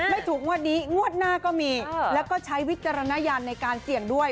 ไม่ถูกงวดนี้งวดหน้าก็มีแล้วก็ใช้วิจารณญาณในการเสี่ยงด้วย